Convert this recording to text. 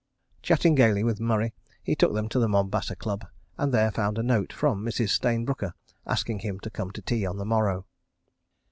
Chatting gaily with Murray, he took them to the Mombasa Club and there found a note from Mrs. Stayne Brooker asking him to come to tea on the morrow.